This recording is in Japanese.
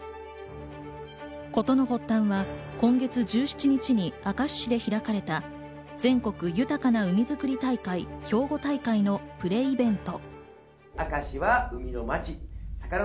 事の発端は、今月１７日に明石市で開かれた全国豊かな海づくり大会兵庫大会のプレイベント。